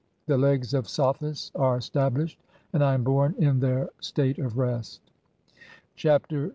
The legs of Sothis "are stablished, and I am born in their state of rest." Chapter LXVI.